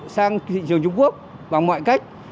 sang thị trường trung quốc bằng mọi cách